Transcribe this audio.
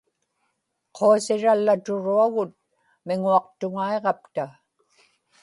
quasirallaturuagut miŋuaqtuŋaiġapta